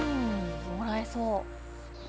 もらえそう。